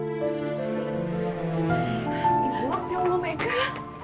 ibu ya allah mecah